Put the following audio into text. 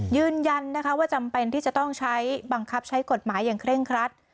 ยืนยันนะคะว่าจำเป็นที่จะต้องใช้บังคับใช้กฎหมายอย่างเคร่งครัด